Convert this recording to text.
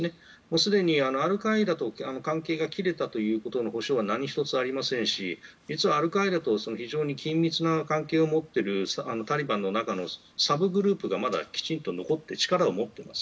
すでにアルカイダと関係が切れたという保証は何一つありませんしアルカイダと非常に緊密な関係を持っているタリバンの中のサブグループがまだきちんと残って力を持ってます。